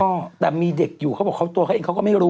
ก็แต่มีเด็กอยู่เขาบอกเขาตัวเขาเองเขาก็ไม่รู้